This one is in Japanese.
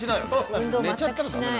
運動全くしない。